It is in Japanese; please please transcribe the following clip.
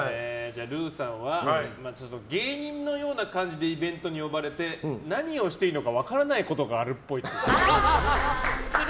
ルーさんは芸人のような感じでイベントに呼ばれて何をしていいのか分からないことがあるっぽい。